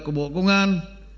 của bộ công an